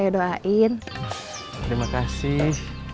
saya mau aktif lagi latihan tinju